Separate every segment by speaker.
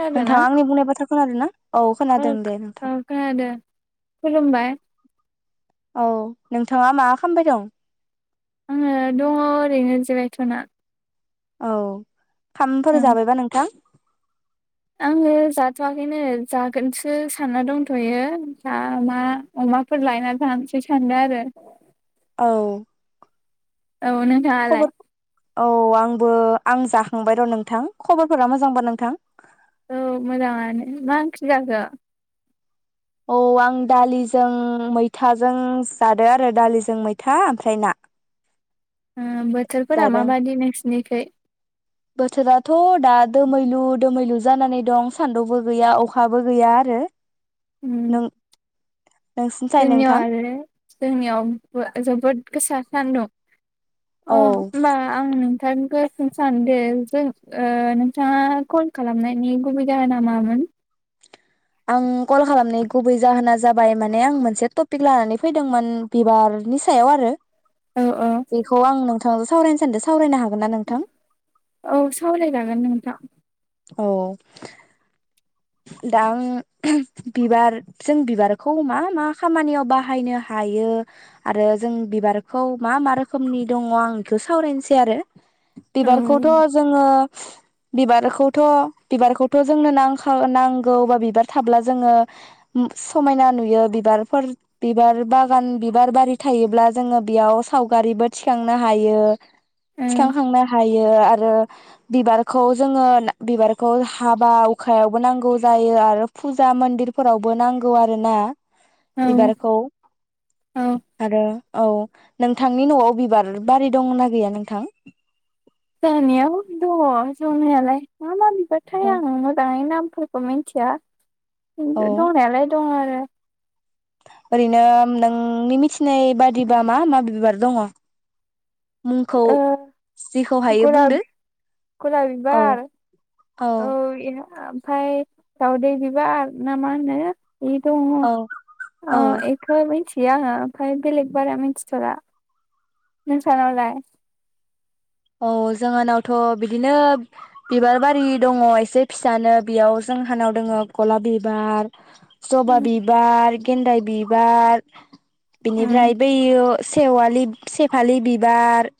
Speaker 1: खोनादोंना
Speaker 2: नोंथाङा आंनि बुंनाय बाथ्रा खोनादों ना औ खोनादों दे नोंथां
Speaker 1: औ खोनादों खुलुमबाय
Speaker 2: औ नोंथाङा मा खालामबाय दं?
Speaker 1: आङो दङ ओरैनो जिरायथ'ना।
Speaker 2: औ। ओंखामफोर
Speaker 1: ओं
Speaker 2: जाबायबा नोंथां?
Speaker 1: आङो जाथवाखैनो जागोनसो सानना दंथ'यो दा मा अमाफोर लायना जानोसै सादो आरो
Speaker 2: औ।
Speaker 1: औ नोंथां आलाय?
Speaker 2: खबर औ आंबो आं जाखांबाय र नोंथां खबरफोरा मोजांबा नोंथां?
Speaker 1: औ मोजां आनो मा ओंख्रि जाखो
Speaker 2: औ आं दालिजों मैथाजों जादों आरो दालिजों मैथा आरो ना
Speaker 1: ओ बोथोरफोरा मााबादि नोंसि निखै
Speaker 2: बोथोराथदा दोमैलु दोमैलु जानानै दं सानदुंबो गैया अखाबो गैया आरो।
Speaker 1: उम
Speaker 2: नों नोंसिनिसाय
Speaker 1: जोंनियाव
Speaker 2: नोंथां?
Speaker 1: आरो जोंनियावबो जोबोद गोसा सानदुं अ
Speaker 2: औ
Speaker 1: होमबा आं नोंथांखौ जों सानदो जों नोंथाङा कल खालामनायनि गुबै जाहोना मामोन?
Speaker 2: आं कल खालामनाय गुबै जाहोना जाबाय माने आं मोनसे टपिक लानानै फैदोंमोन बिबारनि सायाव आरो।
Speaker 1: औ
Speaker 2: बेखौ आं नोंथांजो सावरायनो सान्दों सावरायनोहा
Speaker 1: औ सावराय जागोन नोंथां
Speaker 2: औ दा आं बिबार जों बिबारखौ मा मा खामानियाव बाहायनो हायो आरो जों बिबारखौ मा मा रोखोमनि दङ' आं बेखौ सावरायनोसै आरो।
Speaker 1: औ
Speaker 2: बिबारखौथ जोङो बिबारखौथ बिबारखौथ जोंनो नां नांगौ बा बिबार थाब्ला जोङो समायना नुयो बिबारफोर बिबार बागान बिबार बारि थायोब्ला जोङो बेयाव सावगारिबो थिखांनो हायो।
Speaker 1: औ
Speaker 2: थिखांखांनो हा आरो बिबारखौ जोंङो बिबारखौ हाबा हुखायावबो नांगौ जायो आरो फुजा मन्दिरफोरावबो नांगौ आरो ना। बिबारखौ
Speaker 1: औ
Speaker 2: आरो औ नोंथांनि न'आव बिबार बारि दंना गैया नोंथां?
Speaker 1: जानियाव दङ' जनायालाय मा मा नाथाय आङो दायो नाम खौ मिन्थिया
Speaker 2: औ
Speaker 1: दंनायालाय दङ' आ [inaudible]
Speaker 2: ओरैनो नोंनि मिथिनाय बादिबा मा मा बिबार दङ' मुंखौ
Speaker 1: ओ
Speaker 2: जेखौ हायो
Speaker 1: गलाब
Speaker 2: बुंदो
Speaker 1: गलाब
Speaker 2: औ
Speaker 1: बिबार
Speaker 2: औ।
Speaker 1: ओमफ्राय दावदै बिबार ना मा होनो बे दङ'
Speaker 2: औ
Speaker 1: आ
Speaker 2: औ
Speaker 1: एख ओमफ्राय आङो बेलेग बारा मिन्थिथला नोंसानावलाय?
Speaker 2: औ जोंहानावथ' बिदिनो बिबार बारि दङ' एसे फिसानो बेयाव जोंहानाव दङो गलाब बिबार जबा
Speaker 1: उम
Speaker 2: बिबार गेन्दाय बिबार
Speaker 1: उम
Speaker 2: बिनिफ्राय बैयो सेवालि सेफालि बिबार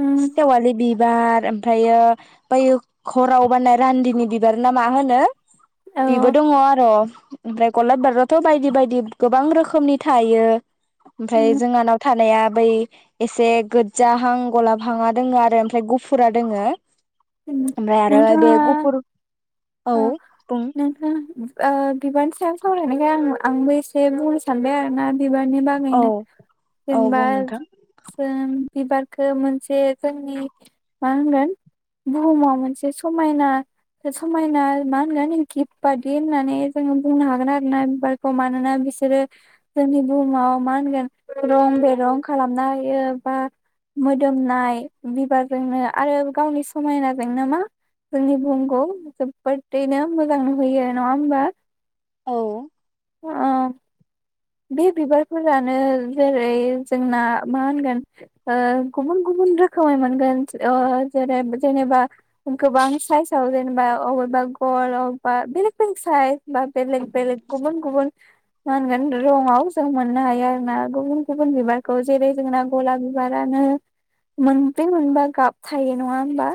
Speaker 1: उम
Speaker 2: सेवालि बिबार ओमफ्रायो बैयो हराव बारनाय रान्दिनि बिबार ना मा होनो। बेबो
Speaker 1: औ
Speaker 2: दङ आरो। ओमफ्राय गलाब बिबाराथ बायदि बायदि गोबां रोखोमनि थायो।
Speaker 1: उम
Speaker 2: ओमफ्राय जोंहानाव थानाया। बै एसे गोजाहां गलाब। बिफांआ दङ आरो ओमफ्राय गुफुरा दोङो।
Speaker 1: उम
Speaker 2: दा आरो बे
Speaker 1: नोंथाङा
Speaker 2: गुफुर। औ बुं
Speaker 1: नोंथां बिबारनि सायाव सावरायनायखो आं आंबो एसे बुंनो सानबाय आरोना। बिबारनि
Speaker 2: औ
Speaker 1: बागैनो
Speaker 2: औ
Speaker 1: जेनेबा
Speaker 2: बुं नोंथां
Speaker 1: जों। बिबारखौ मोनसे जोंनि मा होनगोन बुहुमाव मोनसे समायना। समायना मा होनगोन गिफ्ट बायदि होननानै जोङो बुंनो हागोन आरोना बिबारखौ मानोना बिसोरो जोंनि बुहुमाव मा होनगोन रं बेरं खालामना हायो बा मोदोमनाय बिबारजोंनो आरो गावनि समायनाजोंनो मा जोंनि बुहुमखौ। जोब्बोदैनो मोजां नुहयो नङा होमबा।
Speaker 2: औ।
Speaker 1: अ। बे बिबारफोरानो जेरै जोंना मा होनगोन ओ गुबुन गुबुन रोखोमै मोनगोन ओ जेरै जेनेबा गोबां साइजाव जेनेबा अबेबा गल अबेबा बेलेग बेलेग साइज बा बेलेग बेलेग गुबुन गुबुन मा होनगोन। रंआव जों मोननो हायो आरो ना गुबुन गुबुन बिबारखौ जेरै जोंना गलाब बिबारानो मोनब्रै मोनबा गाब थायो नङा होमबा।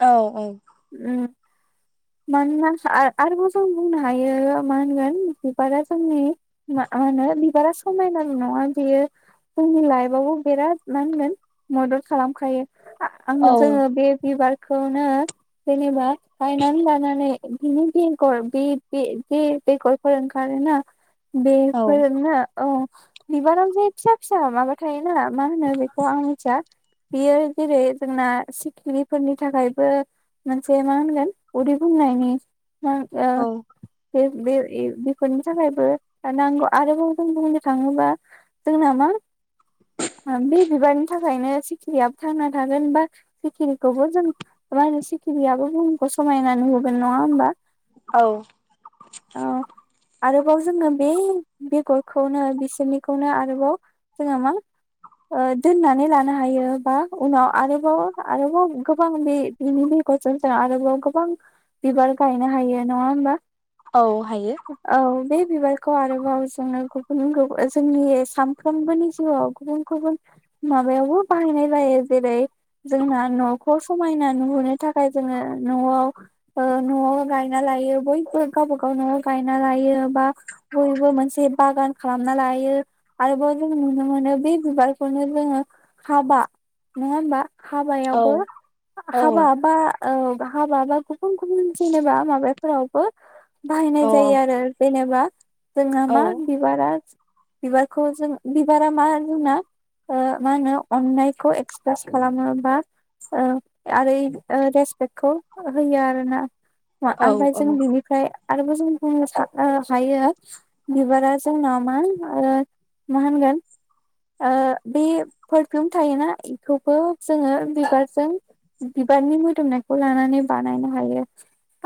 Speaker 2: औ औ।
Speaker 1: उम मानोना आ आरोबाव जों बुंनो हायो मा होनगोन बिबारा जोंनि मा होनो बिबारा समायनाल नङा बियो जोंनि लाइफआवबो बिराद मा होनगोन मदद खालामखायो।
Speaker 2: औ
Speaker 1: आंङो जोङो बे बिबार। खौनो। जेनबा गायनानै लानानै बिनि बेगर बि बे बे बेगरफोर ओंखारो ना।
Speaker 2: औ
Speaker 1: बेफोरनो ओ। बिबारावजे फिसा फिसा माबाथायायो ना मा होन बेखौ आं मिथिया। बियो जेरै जोंना सिखिरिफोरनि थाखायबो। मोनानसे मा होनगोन उदै बुंनायनि।
Speaker 2: औ
Speaker 1: [unintelligible] बे बे बेफोरनि थाखायबो नांगौ आरोबाव जों बुंनो थाङोबा जोंना मा बे बिबारनि थाखायनो सिखिरिया थांना थागोन बा सिखिरिखौबो जों मा होनो खिरियाबो बुहुमखौ समायना नुहोगोन नङा होमबा।
Speaker 2: औ।
Speaker 1: औ आरोबाव जोङो बे बेगरखौनो बिसोरनिखौनो आरोबाव जोङो मा ओ दोन्नानै लानो हायो बा उनाव आरोबाव। आरोबाव गोबां बे बिनि बेग [unintelligible] आरोबाव गोबां बिबार गायनो हायो नङा होमबा।
Speaker 2: औ हायो
Speaker 1: औ बे बिबारखौ आरोबाव जोङो गुबुन गुब जोंनि सानफ्रोमबोनि जिउआव गुबुन गुबुन माबायावबो बाहायनाय जायो जेरै जोंना न'खौ समायना नुहोननो थाख [unintelligible] जोङो न'आव ओ न'आव गायना लायो बयबो गाबागाव न'आव गायना लायो। बा बयबो मोनसे बागान खालामना लायो आरोबाव जों नुनो मोनो बे बिबारखौनो जोङो हाबा नङा होमबा
Speaker 2: औ
Speaker 1: हाबायावबो
Speaker 2: औ औ
Speaker 1: हाबाबा औ हाबा बा गुबुन गुबुन जेनेबा माबाफोरावबो बाहायनाय
Speaker 2: औ
Speaker 1: जायो आरो जेने बा जोंहा
Speaker 2: औ
Speaker 1: मा बिबारा बिबारखौ जों बिबारा मा जोंना ओ मा होनो अन्नायखौ एक्सप्रेस खालामो बा ओ आरै ओ रेसपेक्टखौ होयो आरो ना
Speaker 2: औ
Speaker 1: ओमफ्राय
Speaker 2: औ
Speaker 1: जों बिनिफ्राय आरोब जों बुंनो हायो बिबारा जोंनाव मा मा होनगोन बे पारफिउम थायोना बेखौबो जोङो बिबारजों बिबारनि मोदोमनायखौ लानानै बानायनो हायो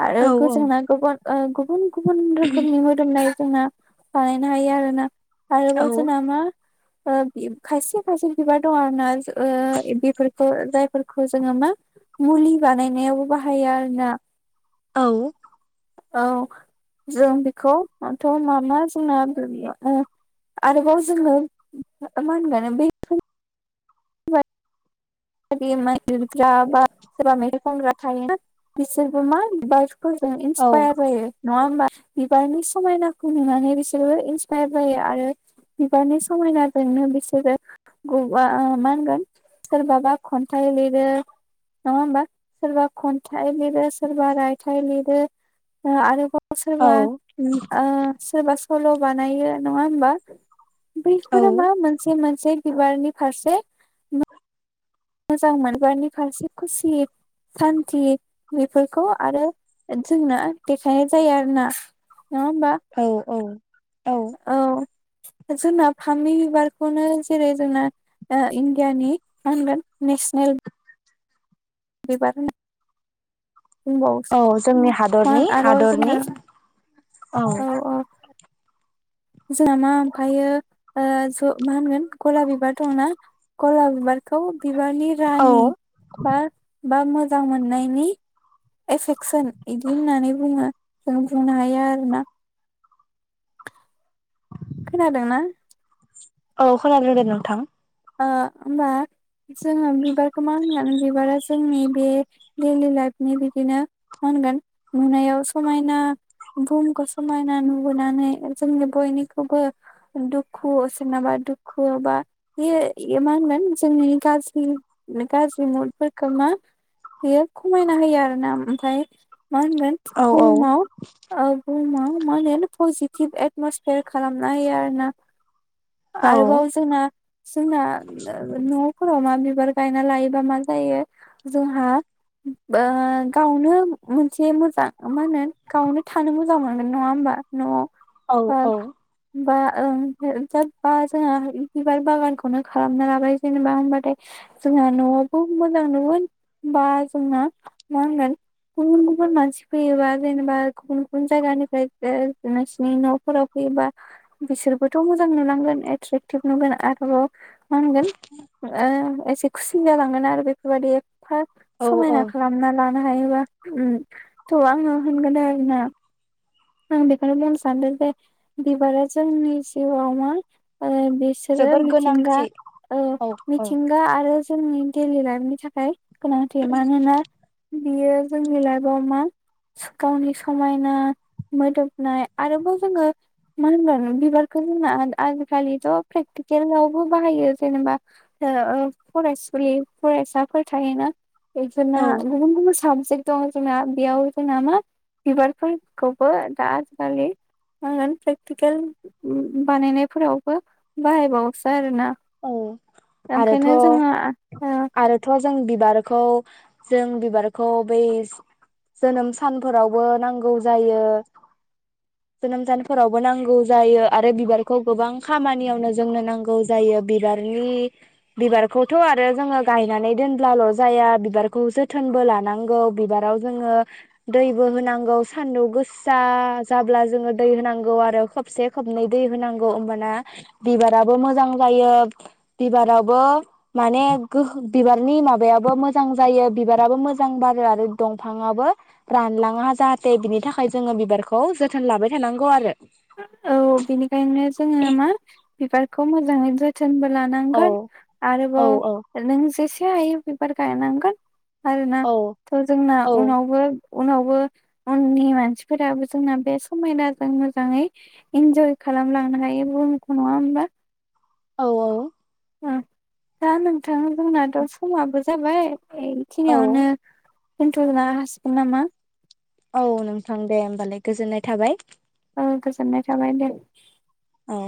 Speaker 1: आरो
Speaker 2: औ
Speaker 1: गोजौना गुबुन ओ गुबुन गुबुन रखोमनि मदोमनाय जोंना बानायनो हायो आरोना
Speaker 2: औ
Speaker 1: आरोबाव जोना मा ओ बि खायसे खायसे बिबार दङ आरोना बेफोरखौ जायफोरखौ जोङो मा मुलि बानायनायावबो बाहायो आरोना
Speaker 2: औ
Speaker 1: औ जों बेखौथ मा मा जोंना ओ आरोबाव जोङो मा होनगानो बैफै मा लिरग्रा बा सोरबा मेथाइ खनग्रा थायोना बिसोरबो मा बिबारख फोरजों इन्सपायार जायो नङा होमबा बिबारनि समायनाखौ नुनानै बिसोरबो इन्सपायार जायो आरो बिबारनि समायनाजोंनो बिसोरो मा होनगोन सोरबाबा खन्थाइ लिरो नङा होमबा सोरबा खन्थाइ लिरो सोरबा रायथाइ लिरो आरोबाव
Speaker 2: औ
Speaker 1: सोरबा ओ सोरबा सो सल' बानायो नङा होमबा बैफोरो मा मानसे मोन से बिबारनि फारसे मोजां मोनगानि फारसे खुसि सान्थि बेफोरखौ आरो जोंनो देखायनाय जायो आरोना नङा होमबा
Speaker 2: औ औ औ
Speaker 1: जोंना फामे बिबारखौनो जेरै जोंना इण्डियानि मा होनगोन नेसनेल बिबार होन
Speaker 2: औ जोंनि हादरनि
Speaker 1: आरोबाव
Speaker 2: हादरनि
Speaker 1: जोंना
Speaker 2: औ
Speaker 1: जोंना मा ओमफायो ज मा होनगोन गला बिबार दंना गलाब बिबारखौ बिबानि
Speaker 2: औ
Speaker 1: रानि बा बा मोजां मोननायनि एफेक्ट सोन इदि होननानै बुङो जों बुंनो हायो आरो ना खोनादोंना
Speaker 2: औ खोनादों दे नोंथां
Speaker 1: ओ होमबा जोङो बिबारखौ मा होनगोन बिबारा जोंनि बे दैलि लाइफनि बिदिनो मा होनगोन नुनायाव समायना बुहुमखौ समायना नुबोनानै जोंनि बयनिखौबो दुखु सोरनाबा दुखु बा बेयो इयो मा होनगोन जोंनि गाज्रि गाज्रि मुदफोरखौ मा बियो खमायना होयो आरो ना ओमफ्राय मा होनगोन
Speaker 2: औ औ
Speaker 1: बहुमाव ओ बुहुमाव माहोनो पजिटिभ एटमसिफेयार खालामना हायोआरोना
Speaker 2: औ
Speaker 1: आरोबाव जोंना जोंना न'फोराव आव बिबार गायना लायोबा मा जायो जोंहा ओ गावनो मोनसे मोजां मा होनो गावनो थानो मोजां मोनगोन नङा होमबा नआव
Speaker 2: औ औ
Speaker 1: बग बा ओं [unintelligible] जोंहा बि-बिबार बागानखौ खौनो खालामना लाबाय जेनेबा होनबाथाय जोंहा नआवबो मोजां नुगोन बा जोंहा मा होनगोन गुबुन गुबुन मानसि फैयोबा जेनेबा गुबुन गुबुन जायगानिफ्राय ओ नोंसिनि न'फोराव फैयोबा बिसोरबोथ मोजां नुलांगोन एट्रेक्टिभ नुगोन आरोबाव माहोनगोन ओ एसे खुसिन जालांगोन आरो बेफोरबायदि हा
Speaker 2: औ औ
Speaker 1: समायना खालामना ला नो हायोबा उम थ आङो होनगोन आरो ना आं बेखौनो बुंनो सानदों जे बिबारा जोंनि जिउआव मा ओ बिसोरो
Speaker 2: जोबोर
Speaker 1: मिथिंगा
Speaker 2: गोनांथि
Speaker 1: ओ
Speaker 2: औ औ
Speaker 1: मिथिंगा आरो जोंनि दैलिलाइभनि थाखाय गोनांथि मानोना बियो जोंनि लाइफआव मा स गावनि समायना मोदोमनाय आरोबाव जोङो मा होनगोन बिबारखौ जोंना आजिखालिथ प्रेकटिकेलावबो बाहायो जेनेबा ओ फरायसुलि फरायसाफोर थायोना बेसोरना
Speaker 2: औ
Speaker 1: गुबुन गुबन साब जेक्थ जोंना बेयाव जोंना मा बिबारफोरखौ बो दा आजिखालि ओ प्रेकटिकेल बानायनायफोरावबो बाहायबावोसै आरो ना
Speaker 2: आरोथ'
Speaker 1: ओंखायनो जोङो ओ
Speaker 2: आरोथ' जों बिबारखौ जों बिबारखौ बै जो-जोनोम सानफोरावबो नांगौ जायो जोनोम सानफोरावबो नांगौ जायो आरो बिबारखौ गोबां खामानियावनो जोंनो नांगौ जायो बिबारनि बिबारखौथ' आरो जोङो गायनानै दोनब्लाल जाया बिबारखौ जोथोनबो लानांगौ बिबाराव जोङो दैबो होनांगौ सानदुं गोसा जाब्ला जोङो दै होनांगौ आरो खोबसे खोबनै दै होनांगौ ओमबाना बिबाराबो मोजां जायो बिबारावबो माने गोहो बिबारनि माबायाबो मोजां जायो बिबाराबो मोजां बारो आरो दंफाङाबबो रानलाङा जाहाथे बिनि थाखाय जोङो बिबारखौ जोथोन लाबाय थानांगौ आरो
Speaker 1: औ बिनि खायनो जोङो मा बिबार खौ मोजांयै जो थोनबो
Speaker 2: औ
Speaker 1: लांगोन
Speaker 2: औ
Speaker 1: आरोबाव
Speaker 2: औ
Speaker 1: नों जेसे से हायो बिबार गायनांगोन आरोना
Speaker 2: औ
Speaker 1: थ जोंना
Speaker 2: औ
Speaker 1: उनावबो उनावबो उननि मानसिफोराबो जोंना बे समायनाजोंनो मोजाङै इन्जय खालामलांनो हायो बुहुमखौ नङा होमबा?
Speaker 2: औ औ
Speaker 1: दा नोंथां जोंनाथ समाबो जाबाय एखिनियावनो
Speaker 2: औ
Speaker 1: [unintelligible] हासिगोन नामा
Speaker 2: औ नोंथां होबालाय गोजोननाय थाबाय
Speaker 1: जोनाय थाबाय दे
Speaker 2: दे